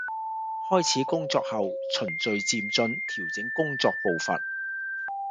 開始工作後，循序漸進調整工作步伐